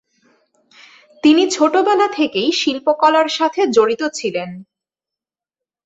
তিনি ছোটবেলা থেকেই শিল্পকলার সাথে জড়িত ছিলেন।